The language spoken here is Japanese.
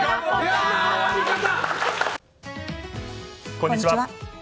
こんにちは。